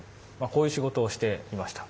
こういう仕事をしていました。